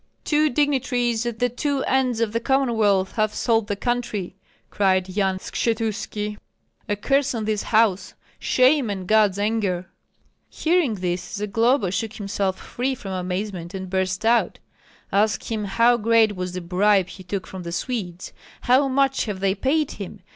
"Two dignitaries at the two ends of the Commonwealth have sold the country!" cried Yan Skshetuski. "A curse on this house, shame and God's anger!" Hearing this, Zagloba shook himself free from amazement and burst out: "Ask him how great was the bribe he took from the Swedes? How much have they paid him?